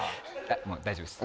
もう大丈夫です。